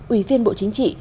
ủy viên bộ chính trị